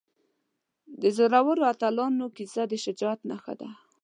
د زړورو اتلانو کیسه د شجاعت نښه ده.